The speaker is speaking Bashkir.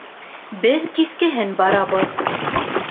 Беҙ кискеһен барабыҙ